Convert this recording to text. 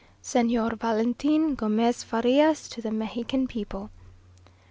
"_Señor Valentin Gomez Farias to the Mexican People.